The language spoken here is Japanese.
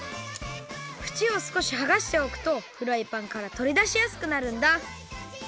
ふちをすこしはがしておくとフライパンからとりだしやすくなるんだ。